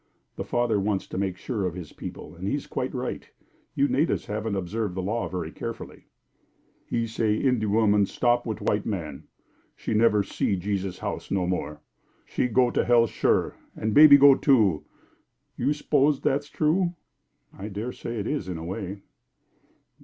The Father wants to make sure of his people, and he is quite right. You natives haven't observed the law very carefully." "He say Indian woman stop with white man, she never see Jesus' House no more. She go to hell sure, and baby go too. You s'pose that's true?" "I dare say it is, in a way."